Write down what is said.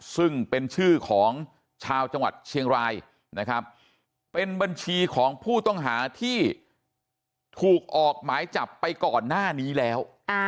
ซึ่งเป็นชื่อของชาวจังหวัดเชียงรายนะครับเป็นบัญชีของผู้ต้องหาที่ถูกออกหมายจับไปก่อนหน้านี้แล้ว